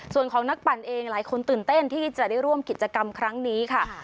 ส่วนของนักปั่นเองหลายคนตื่นเต้นที่จะได้ร่วมกิจกรรมครั้งนี้ค่ะ